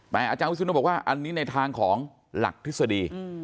แต่อาจารย์วิศนุบอกว่าอันนี้ในทางของหลักทฤษฎี